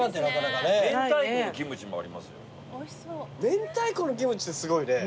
明太子のキムチってすごいね。